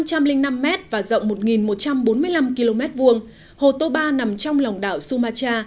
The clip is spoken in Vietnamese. gần hai mươi năm mét và rộng một một trăm bốn mươi năm km vuông hồ toba nằm trong lòng đảo sumatra